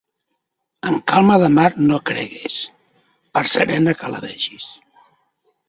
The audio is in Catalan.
En calma de mar no cregues per serena que la vegis.